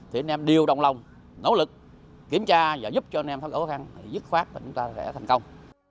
thì anh em đều đồng lòng nỗ lực kiểm tra và giúp cho anh em tháo gỡ khó khăn dứt khoát để chúng ta thành công